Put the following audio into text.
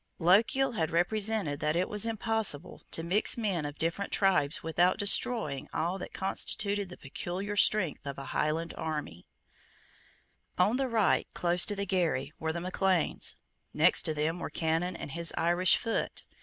Lochiel had represented that it was impossible to mix men of different tribes without destroying all that constituted the peculiar strength of a Highland army, On the right, close to the Garry, were the Macleans. Next to them were Cannon and his Irish foot.